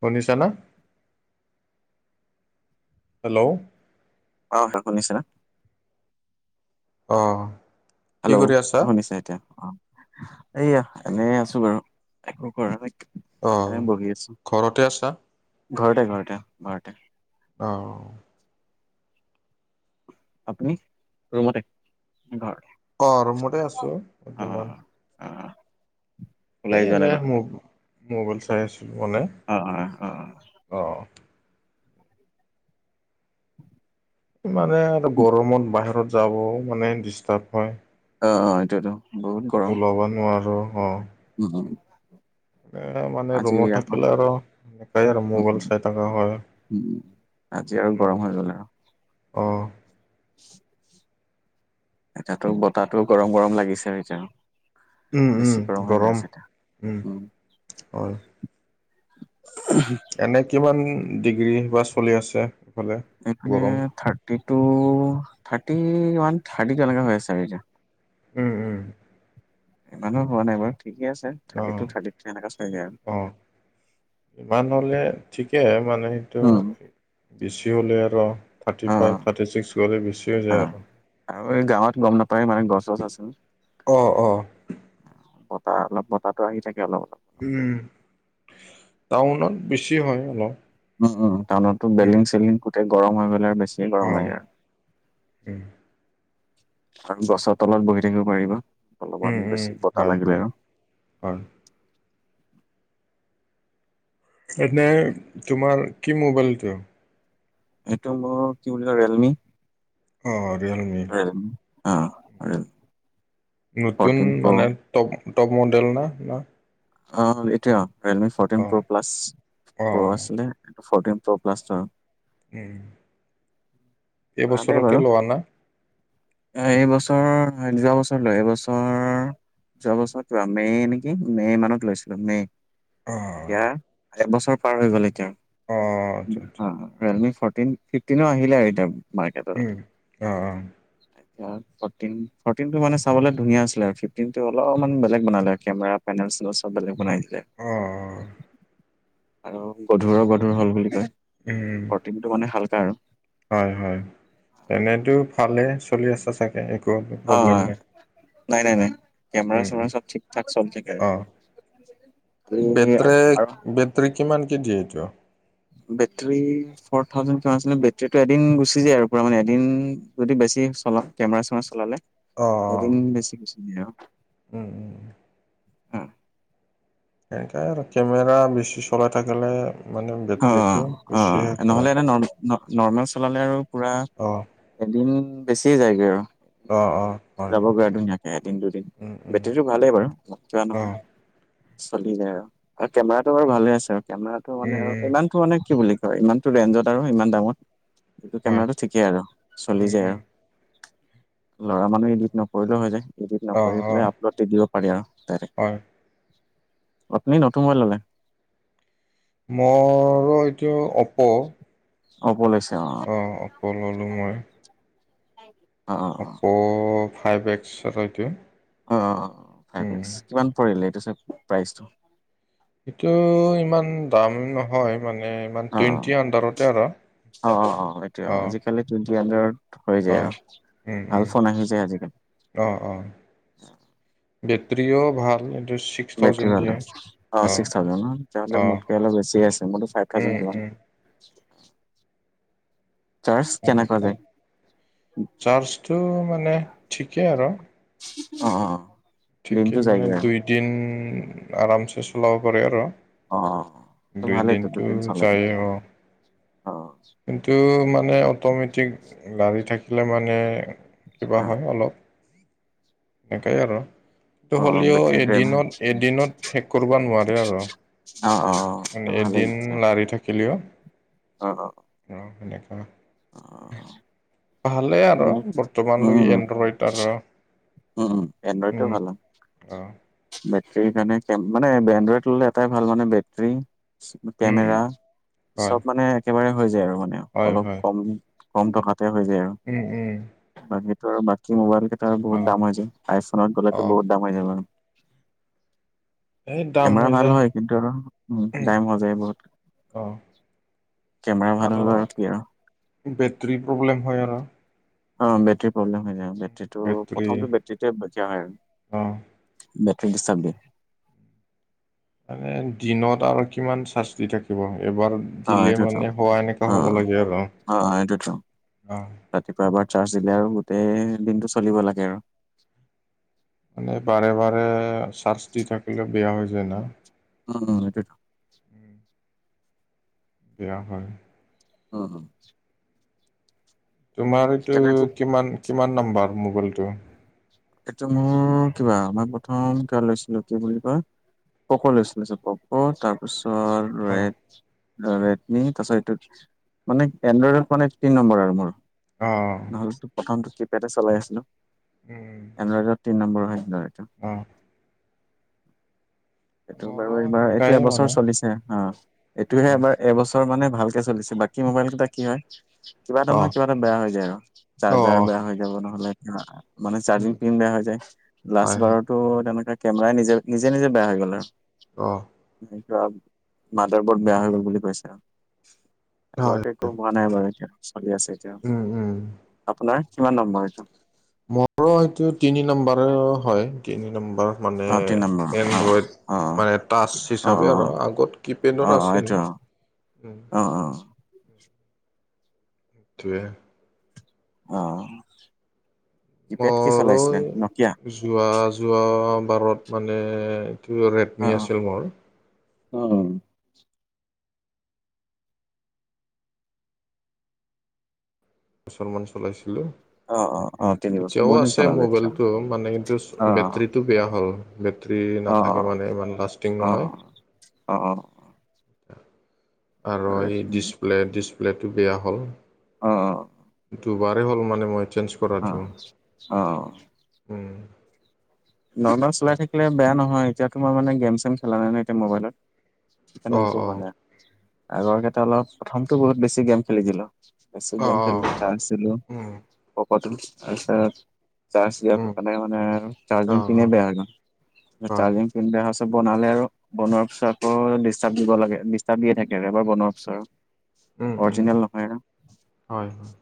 শুনিছা না? হেল্ল'। অ', হয়। শুনিছে না? অ'। হেল্লো'। অ', শুনিছে এতিয়া অ'। এইয়া এনে আছো বাৰু একো কৰা নাই অঁ এনে বহি আছো। ঘৰতে আছা? ঘৰত-ঘৰতে, ঘৰতে। অ'। আপুনি? ৰুমতে নে ঘৰতে? অ', ৰুমতে আছো বৰ্তমান। উম। এই এনেই মো-মোবাইল চাই আছিলোঁ মানে। অ অ অ অ'। মানে আৰু গৰমত বাহিৰত যাবও মানে ডিষ্টাৰ্ব হয়। অ', অ', এইটোৱেটো বহুত গ ওলাব নোৱাৰোঁ, অ'। উম, উম। এ মানে আজি ৰুমত আকৌ থাকিলে আৰু সেনেকাই আৰু উম উম মোবাইল চাই থাকা হয়। উম। আজি আৰু গৰম হৈ গ'ল আৰু। অঁহ। [unintelligible] এতিয়াতো বতাহটো গৰম গৰম লাগিছে আৰু এতিয়াও। উম উম গৰম উম হয়। [unintelligible] এনে কিমান ডিগ্ৰী বা চলি আছে? এইফালে এইপিনে গৰম? Thirty two thirty one thirty তেনেকে হৈ আছে আৰু এতিয়া। উম উম। ইমানো হোৱা নাই বাৰু ঠিকে আছে, থাৰ্টি অঁ টু থাৰ্টি থ্ৰী এনেকা চাই যায় আৰু। অ', ইমান হলে ঠিকে মানে সেইটো উম। বেছি হলে আৰু থাৰ্টি ফাইভ অ', থাৰ্টি ছিক্স গ'লে বেছি হৈ যায় অ', আৰু। আৰু এই গাঁৱত গম নাপায় মানে গছ চছ আছে যে। অহ অহ। বতাহ অলপ বতাহটো আহি থাকে অলপ অলপ। উম, টাউনত বেছি হয় অলপ। উম উম টাউনতটো উম, বেলদিং চেলদিং গোটেই গৰম হৈ গলেই বেছি যি গৰম অ', লাগে আৰ। উম। আৰু গছৰ তলত বহি থাকিব পাৰিবা, অলপমান উম, উম, বেছি বতাহ হয়, লাগিলে হয়, আৰু। হয়। এনেই তোমাৰ কি মোবাইল এইটো? এইটো মোৰ কি বুলি কয় ৰিয়েলমি ৰিয়েলমি অ ৰিয়ে নতুন মানে টপ টপ মডেল না না? অঁহ এতিয়া ৰিয়েলমি ফ'ৰ্টিন অ', প্ৰ প্লাছ প্ৰ অ', আছিলে ফৰ্টিন প্ৰ প্লাছটো আৰু। [inaudible] ভালেই এইবছৰতে বাৰু। লোৱা না? এইবছৰ যোৱা বছৰলৈ এইবছৰ যোৱাবছৰত লোৱা, মে নেকি মে মানত লৈছিলো মে। অঁ। এতিয়া একবছৰ পাৰ হৈ গ'ল এতিয়া আচ্ছা, আচ্ছা, অ ৰিয়েলমি ফৰ্টিন ফিফটিনো আহিলে আৰু এতিয়া উম, মাৰ্কেটত। [unintelligible] ফৰ্তিন, ফৰ্তিন টো মানে চাবলৈ ধুনীয়া আছিলে আৰু ফিফটিন টো অলপমান বেলেগ বনালে আৰু কেমেৰাত পেলেন চেনেল চব বেলেগ বনাই তে অ', অ', আৰু গধুৰৰ গধুৰ হল বুলি কয়, উম। ফৰ্তিণ টো মানে হালকা আৰু। হয় হয় এনেতো ফালে চলি আছে চাগে এ অ নাই নাই নাই। কেমেৰা উম উম চেমেৰা চব ঠিক ঠাক চলি থাকে, অ তোৰ আৰু তোৰে কিমান কেজি এইটো? বেটৰী ফ'ৰ থাউজেণ্ড প্লাছ বেটৰীটো এদিন গুচি যায় আৰু মানে এদিন যদি বেছি চলা কেমেৰা চেমেৰা চলালে অ অ এদিন বেছি গুছি জাই আও। উম। উম সেনেকে আৰু কেমেৰা বেছি চলাই থাকিলে, মানে বেটোৰীটো বেছি ন নৰ্মেল চলালে আৰু পুৰা অ'। এদিন বেছি যায়গৈ আৰু। অ' অ'। হয় যাবগৈ ধুনীয়াকে এদিন দুদিন, উম উম বেটেৰীটো ভালেই বাৰু, বেয়া অ নহয়। চলি যায় আৰু, আৰু কেমেৰাটো বাৰু ভালে আছে আৰু কেমেৰাটো উম মানে আৰু উম ইমান টো মানে কি বুলি কয় ইমানটো ৰেঞ্জত আৰু ইমান দামত, এইটো হয় কেমেৰাটো ঠিকেই আৰু, উম চলি যায় উম আৰু। ল'ৰা মানুহ ইডিট নকৰিলেও হৈ যায়, ইডিট অ নকৰি অ পেলাই আপলোড দি দিব পাৰি আৰু ডাইৰেক্ট। হয় আপুনি নতুন লবাইল ল'লে? মোৰ এইটো অপ্প'। অপ্পো লৈছে অ'। অ', অস্পো ললো মই। অ'। অপ্প' ফাইভ এক্স এটো। অ', ফাইভ এক্স, কিমান পৰিলে এইটো প্ৰাইজটো? এইটো ইমান দাম নহয়, মানে ইমান অ টুৱেণ্টি আণ্ডাৰতে আৰু, অ অ অ অ এতিয়া অ'। আজিকালি টুৱেণ্টি হাড্ৰেডত হৈ অ যায় আৰু, উম উম ভাল ফোন আহি যায় আজিকালি। অ', অ', বেটৰীও ভাল। এইটো ছিক্স বেটাৰী থাউজেণ্ড ভাল দিয়ে অ', ছিক্স থাউজেণ্ড ন তেতিয়াহলে অ মোতকে অলপ বেছি আছে, মোৰতো ফাইভ উম ঠাওচেন কিমান। উম [inaudible] চাৰ্জ কেনেকুৱা সেনেকে, যায় চাৰ্জটো মানে ঠিকেই আৰু। অ'। ঠিকে দিনটো মানে যায়গৈ আৰু দুইদিন আৰামছে চলাব পাৰে আৰু। অ অ', অ', ত' দুই ভালেইতো দিনটো দুদিন চলে যায়ে, অ'। অ কিন্তু মানে অট'মেটিক, লাৰি থাকিলে মানে অ কিবা হ'য় অলপ, একেই আৰু। সেটো অ হ'লেও বেটেৰী ড্ৰেইন এদিনত, হয় এদিনত শেষ কৰিব নোৱাৰে আৰু। অ', মানে অ', ভালেই এদিন অ', লাৰি থাকিলেওঁ। অ'। অ', তেনেকুৱা। অ'। ভালেই আৰু বৰ্তমানলৈকে উম, এনড্ৰইড আৰু। উম উম, এণ্ড্ৰইডতো এ উম ভাল। অ'। বেটৰীৰ কাৰণে, মানে এনড্ৰইড ল'লে এটাই ভাল মানে বেটৰী উম কেমেৰা, উম হয় চব মানে একেবাৰে হৈ যায় আৰু মানে, হয় অলপ হয় কম কম টকাতে হৈ যায় আৰু। উম উম। বাকীটো আৰু বাকী মোবাইল কেইটা অ বহুত দাম হৈ যায়, আইফোনত অ গ'লেতো বহুত দাম হৈ যায় বাৰু। এই দাম কেমেৰা হৈ ভাল যায় হ'য় কিন্তু আৰু উ ডাইম হৈ যায় বহুত। অ কেমেৰা ভাল হ'ল আৰু ক্লিয়াৰ হয়। বেটেৰী প্ৰব্লেম হ'য় আৰু। অ, বেটৰীৰ প্ৰব্লেম হৈ যায়, বেটৰীটো বেটৰী প্ৰথমটো বেটৰীতে দিয়া হয় অ আৰু। বেটৰ ডিষ্টাৰ দিয়ে। মানে দিনত আৰু কিমান চাৰ্জ কৰি থাকিব এবাৰ অ', দিলে এইটোৱেতো মানে হোৱা এনেকা, হ'ব অ'। লাগে আৰু অ, ৰাতিপুৱা এবাৰ চাৰ্জ দিলে আৰু গোটেই দিনটো চলিব লাগে আৰু। মানে বাৰে, বাৰে চাৰ্জ দি থাকিলে বেয়া হৈ যায় না। উম, উম, এইটো উম বেয়া হয়। উম, উম, তোমাৰ এইটো সেইকাৰণে খুব কিমান, কিমান নাম্বাৰ মোবাইলটো? এইটো মোৰ কিবা মই প্ৰথম কিবা লৈছিলো, কি বুলি কয় ক'পে লৈছিলছে প'ক, অ তাৰপিছত ৰেডমি, তাৰপিছত এইটোত মানে, এনড্ৰইডত মানে তিনি নম্বৰ আৰু মোৰ। অ, নহ'লে তো, প্ৰথমটো কিপেডে চলাই আছিলো। এই, এনড্ৰইডত তিন নম্বৰ হয়, এড্ৰটো উম, এইটো বাৰু মোৰো এইবাৰ এইটো, সেনেকাই এবছৰ মানে চলিছে অ, এইটোহে অ এবাৰ এবছৰ মানে ভালকে চলিছে, বাকী মোবাইল কেইটা কি হয়? কিবা এটা অ নহয়, কিবা এটা বেয়া হৈ যায় আৰু অ চাৰ্জাৰ বেয়া হৈ যাব নহ'লে মানে, উম চাৰ্জিং পিন বেয়া হৈ যায়, লাষ্ট হয় হয় বাৰত তটো, তেনেকুৱা কেমেৰাই নিজে, নিজে, নিজে, বেয়া হৈ গ'ল আৰু। অ, [inaudible] মাদাৰ বৰ্দ বেয়া হৈ গ'ল বুলি কৈছে আৰু আবাৰ হয় চ'ব হোৱা নাই বাৰু এতিয়া চলি আছে এতিয়া। উম, উম, আপোনাৰ কিমান নম্বৰ এইটো? মোৰো এইটো তিনি নম্বাৰে হয়, তিনি নম্বাৰ মানে অ তিনি নম্বৰ এনড্ৰইড। অ অ মানে টাচ অ অ হিচাপে আৰু আগত অ অ কিপেডত আছিল। এইটো অ, অ, অ, [inaudible] অ, কিপেড কি মোৰ, চলাইছিলে নকিয়া যোৱ, যোৱা বাৰত মানে [inaudible] মোৰ। উম, মুছলমান চলাইছিলোঁ। অ, অ, অ, তিনি বছৰ এতিয়াও বহুত দিন আছে, চলালে তেতিয়া মোবাইলতটো মানে কিন্তু অ বেটৰীতটো বেয়া হ'ল, বেটৰী অ অ নাথাকে মানে, ইমান লাষ্টিং নহয়। অ, অ, আৰু অ এই অ ডিচপ্লে-ডিচপ্লেটো বেয়া হ'ল। অ, অ, দুবাৰে হ'ল মানে মই একচেঞ্জ। অ', অ', অ'। নৰ্মেল চলাই থাকিলে বেয়া নহয়, এতিয়া মানে গেম চেম খেলা নাই নহয় এতিয়া মোবাইলত। এটো অঁ একো হোৱা নাই, আগৰ কেইটা অলপ প্ৰথমটো বহুত বেছি গেম খেলিদিলো। বেছি অঁ অঁ গেম খেলিলো, চাৰ্জ দিলো, অঁ [unintelligible] তাৰপিচত চাৰ্জ অঁ দিয়া মানে চাৰ্জিং অঁ পিনে বেয়া হৈ গল। হয় চাৰ্জিং বেয়া হোৱা পাছত বনালে আৰু বনোৱাৰ পাছত আকৌ ডিষ্টাৰ্ব দিব লাগে ডিষ্টাৰ্ব দিয়ে থাকে আৰু এবাৰ বনোৱাৰ পিছত। উম উম অৰিজিনেল নহয় ন। হয় হয়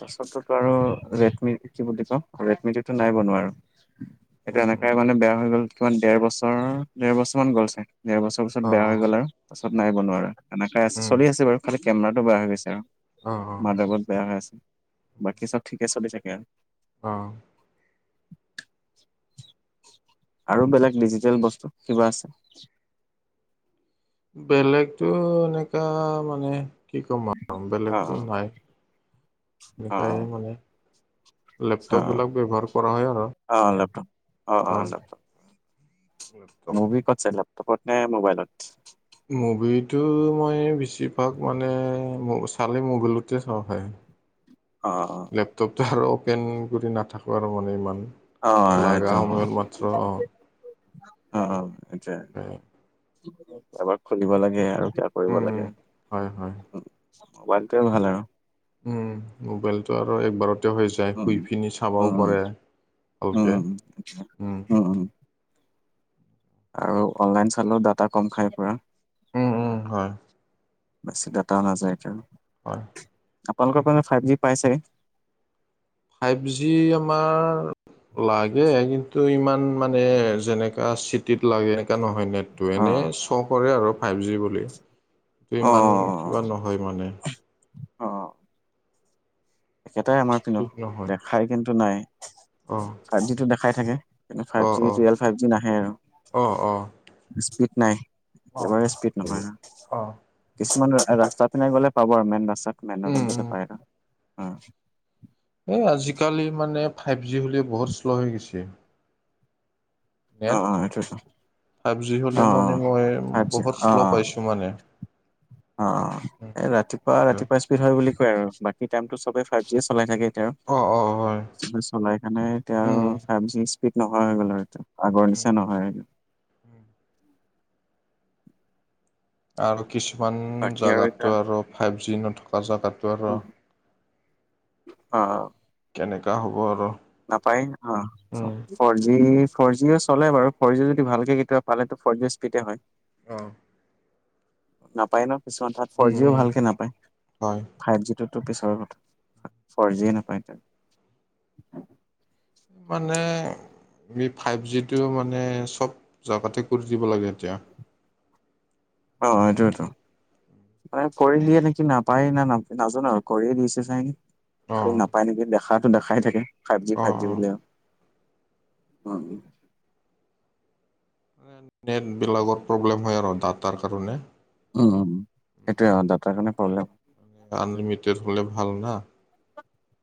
তাৰপাছতটো আৰু ৰেডমি কি বুলি কৈ, ৰেডমি টো নাই বনোৱা আৰু। এটো এনেকাই মানে বেয়া হৈ গ'ল কিমান ডেৰ বছৰ, দেৰ বছৰ মান গ'ল ছাগে ডেৰ বছৰ তাপিছত অঁ বেয়া হৈ গ'ল আৰু, পাছ নাই বনো আৰু এনেকাই আছে। চলি আছে বাৰু খালি কেমেৰাতটো বেয়া হৈ গৈছে আৰু। অঁ অঁ মাদাৰবোদ বেয়া হৈ আছে, বাকী চব ঠিকে চলি থাকে আৰু। অ'। [inaudible] আৰু বেলেগ ডিজিটেল বস্তু কিবা আছে বেলেগতটো এনেকা মানে কি ক'ম আৰু অ বেলেগতো নাই। অ অ সনেকাইে মানে অ লেপটপ বিলাক ব্যৱহাৰ কৰা হয় আৰু, অ অ লেপটপ অ'। Laptop laptop. মুভি ক'ত চাই লেপটপত নে মোবাইলত? মুভিটো মই বেছিভাগ মানে চালে মবিলতে চাওঁ হয়। [inaudible] অ', অ'। লেপটপটো আৰু অ'পেন কৰি নাথাকোঁ আৰু মানে ইমান, অ অ লগা সেইটো সময়ত মাত্ৰ অ'। অ', অ', আচ্ছা। উম। এবাৰ খুলিব লাগে আৰু কিবা কৰিব উম, লাগে। হয় হয়। মবাইলটোয়ে ভাল আৰু। উম, মোবাইলটো আৰু একবাৰত হৈ যায়, উম শুই পিনি চাবও উম উম পাৰে উম উম ভালকৈ, উম। আৰু অনলাইন চালেও দাটা কম খাই পুৰা। উম, উম হয়। বেছি ডাটাও নাযায় তেতিয়া। হয়। আপোনালোকৰ ফালে ফাইভ জি পাইছে ছাগে? ফাইভ জি আমাৰ লাগে কিন্তু ইমান মানে যেনেকা চিটিত লাগে এনেকা নহয় মেন টো, অ এনেই শ্ব' কৰে আৰু ফাইভ জি বুলি কিন্তু অ অ ইমান কিবা নহয় মানে। অ অ একেটাই আমাৰ পিনেও, স্পীড নহয় দেখাই কিন্তু নাই। অ'। ফাইভ জিটো দেখাই থাকে, কিন্তু ফাইভ অ জি অ ৰিয়েল ফাইভ জি নাহে আৰু। অ অ স্পীড নাই, অ একেবাৰে স্পীড নহয় হা। অ' কিছুমান ৰাস্তা পিনোই গ'লে পাব আৰু মেইন ৰাস্তাত মেইন উম ৰোডত উম গোতে পায় আৰু। অ'। এই আজিকালি মানে ফাইভ জি হ'লে বহুত শ্ল' হৈ গৈছে। নেট অ', অ', হেটোৱেটো। ফাইভ জি হ'লে মনে মই জি বহুত শ্ল' পাইছো মানে। অঁ, ৰাতিপুৱা ৰাতিপুৱা স্পীড হয় বুলি কয় আৰু, বাকী টাইমতটো চবেই ফাইভ জি চলাই থাকে। অ অ হয় চলাই খানে এতিয়া উম ফাইভ জি স্পীড নোহোৱা হৈ গ'ল আৰু এতিয়া। আগৰ উম নিচিনা নহয়। উম আৰু কিছুমান বাকী আৰু এতিয়া জেগাতটো আৰু ফাইভ জি নথকা জেগাতটো আৰু। অঁ কেনেকুৱা হ'ব আৰু। নাপায় অঁ। Um four G four Jio চলে বাৰু, ফ'ৰ জি যদি ভালকে কেতিয়াবা পালে ফ'ৰ জি স্পীডে হয়। অ। নাপায় ন, কিছুমান তাত ফৰ উম জিয়ো উম ভালকে নাপায়। হয় ফাইভ জিটোতো পিছৰ কথা, ফৰ জিয়ে নাপায় এতিয়া। মানে আমি ফাইভ জিটো মানে চব জেগাতে কৰি দিব লাগে এতিয়া। অঁ মানে সেইটোৱেটো মানে কৰি দিয়ে নেকি নাপায় না নাপায় নাজানো আৰু কৰিয়ে দিছে চাগে। অ খালি নাপায় নেকি দেখাতটো দেখাই থাকে, ফাইভ জি অ ফাইভ জি অ বুলি আৰু উম। নেটবিলাকৰ প্ৰব্লেম হয় আৰু ডাটাৰ কাৰণে। উম, সেইটোয়ে দাটাৰ কাৰণে প্ৰব্লেম। আনলিমিটেড হলে ভাল না।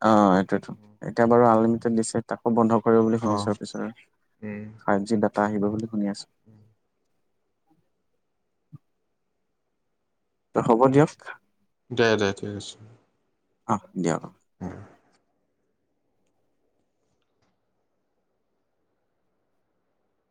অঁ, সেইটোৱে তো, এতিয়া বাৰু আনলিমিটেড দিছে। তাকো বন্ধ কৰিব বুলি অ শুনিছো, পিছত উম ফাইভ জি ডাটা আহিব বুলি শুনি আছো। ত হ'ব দিয়ক। দে দে ঠিক আছে। অঁ, দিয়ক। উম